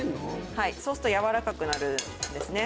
はいそうするとやわらかくなるんですね